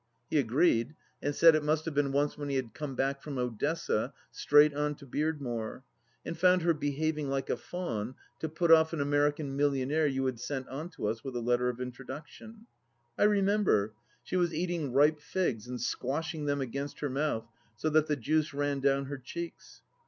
He agreed, and said it must have been once when he had come back from Odessa, straight on to Beardmore, and found her behaving like a faun to put off an American millionaire you had sent on to us with a letter of introduction. I remember. She was eating ripe figs and squashing them against her mouth, so that the juice ran down her cheeks.